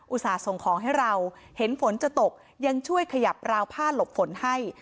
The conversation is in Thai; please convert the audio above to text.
ส่าห์ส่งของให้เราเห็นฝนจะตกยังช่วยขยับราวผ้าหลบฝนให้